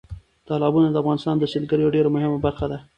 تالابونه د افغانستان د سیلګرۍ یوه ډېره مهمه برخه ده.